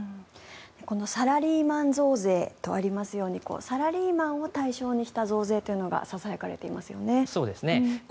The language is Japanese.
このサラリーマン増税とありますようにサラリーマンを対象にした増税がささやかれていますよね。